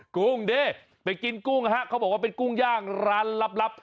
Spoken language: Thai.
กุ้งดิไปกินกุ้งฮะเขาบอกว่าเป็นกุ้งย่างร้านลับ